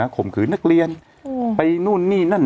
ข่มขืนนักเรียนไปนู่นนี่นั่น